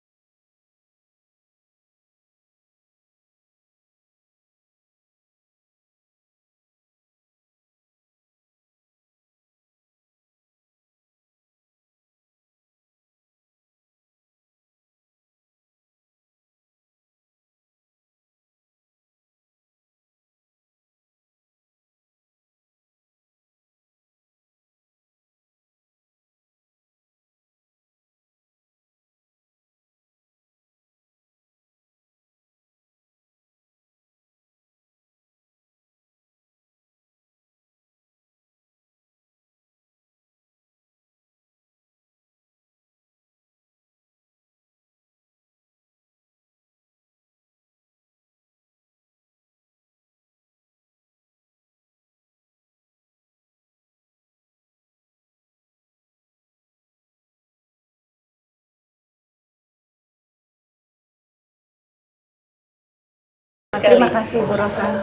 terima kasih bu rosa